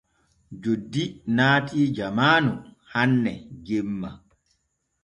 Joddi naati jamaanu hanne jemma.